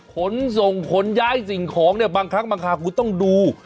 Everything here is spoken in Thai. ขนส่งขนย้ายสิ่งของเนี่ยบางครั้งบางคราวคุณต้องดู